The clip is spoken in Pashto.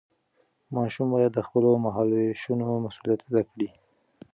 ماشوم باید د خپلو مهالوېشونو مسؤلیت زده کړي.